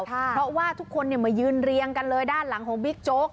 เพราะว่าทุกคนมายืนเรียงกันเลยด้านหลังของบิ๊กโจ๊ก